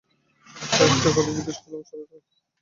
আচ্ছা, একটা কথা জিজ্ঞাসা করি, সরলার সঙ্গে রমেনের বিয়ে দাও-না কেন।